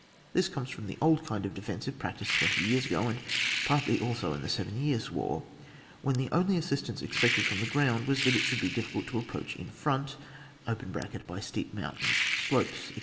This comes from the old kind of defensive practised twenty years ago, and partly also in the Seven Years' War, when the only assistance expected from the ground was that it should be difficult of approach in front (by steep mountain slopes, etc.